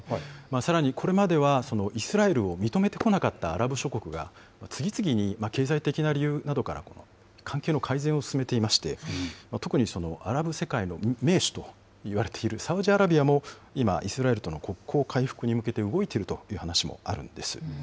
さらに、これまではイスラエルを認めてこなかったアラブ諸国が、次々に経済的な理由などから関係の改善を進めていまして、特にアラブ世界の盟主といわれているサウジアラビアも今、イスラエルとの国交回復に向けて動いているという話もあるんです。